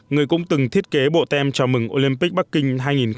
người cũng từng thiết kế bộ tem chào mừng olympic bắc kinh hai nghìn tám